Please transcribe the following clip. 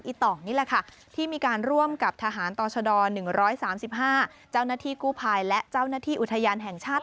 ต่องนี่แหละค่ะที่มีการร่วมกับทหารต่อชด๑๓๕เจ้าหน้าที่กู้ภัยและเจ้าหน้าที่อุทยานแห่งชาติ